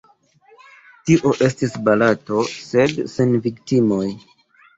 Tio estis batalo, sed sen viktimoj.